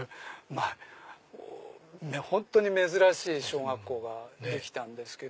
本当に珍しい小学校ができたんですけど。